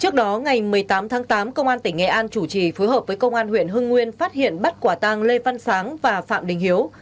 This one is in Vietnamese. trước đó ngày một mươi tám tháng tám công an tỉnh nghệ an chủ trì phối hợp với công an huyện hưng nguyên phát hiện bắt quả tàng lê văn sáng và phạm đình hiếu